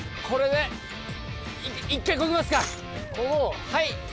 これで１回こぎますか。